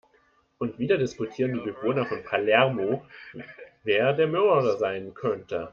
Und wieder diskutieren die Bewohner von Palermo, wer der Mörder sein könnte.